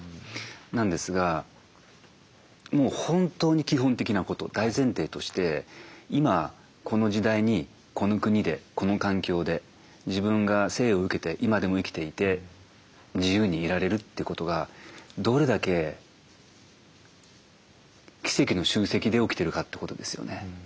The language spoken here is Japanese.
なんですがもう本当に基本的なこと大前提として今この時代にこの国でこの環境で自分が生を受けて今でも生きていて自由にいられるということがどれだけ奇跡の集積で起きてるかってことですよね。